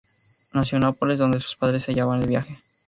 Nació en Nápoles, donde sus padres se hallaba de viaje.